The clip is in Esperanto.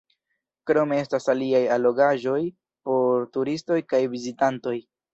Krome estas aliaj allogaĵoj por turistoj kaj vizitantoj.